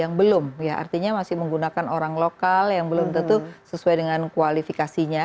yang belum ya artinya masih menggunakan orang lokal yang belum tentu sesuai dengan kualifikasinya